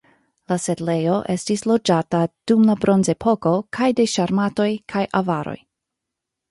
La setlejo estis loĝata dum la bronzepoko kaj de sarmatoj kaj avaroj.